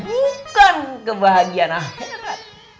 bukan kebahagiaan akhir